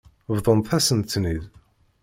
Bḍant-asent-ten-id.